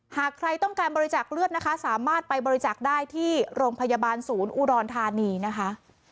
หากใครต้องการบริจาคเลือดนะคะสามารถไปบริจาคได้ที่โรงพยาบาลศูนย์อุดรธานีนะคะ